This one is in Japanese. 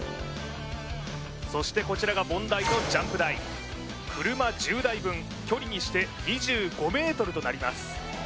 そしてこちらが問題のジャンプ台車１０台分距離にして２５ｍとなります